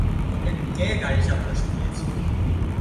তোকে কে গাড়ি চালানো শিখিয়েছে?